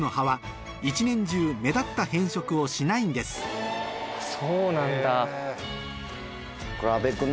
一方そうなんだ。